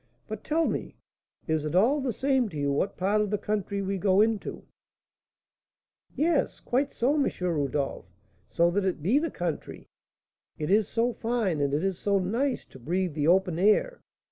But tell me, is it all the same to you what part of the country we go into?" "Yes, quite so, M. Rodolph, so that it be the country. It is so fine and it is so nice to breathe the open air!